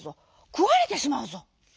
くわれてしまうぞ」。